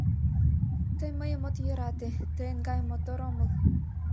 Тый мыйым от йӧрате, тыйын гае мотор омыл